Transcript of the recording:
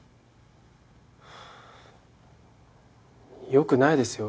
よくないですよ